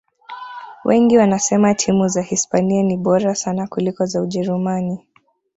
wengi wanasema timu za hispania ni bora sana kuliko za ujerumani